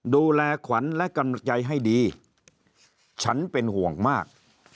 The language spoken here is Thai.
ดูแลขวัญและกำลังใจให้ดีฉันเป็นห่วงมาก